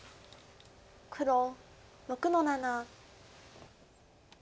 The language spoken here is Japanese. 黒６の七。